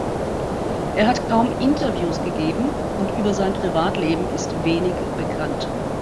Er hat kaum Interviews gegeben und über sein Privatleben ist wenig bekannt.